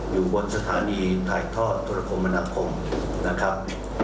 อยู่บนสถานีถ่ายทอดธุรกรรมมนาคมนะครับ